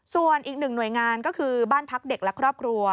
ส่วนอีกหนึ่งหน่วยงานก็คือบ้านพักเด็กและครอบครัว